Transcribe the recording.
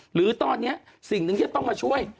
หรือตอนนี้สิ่งหนึ่งที่จะต้องมาช่วย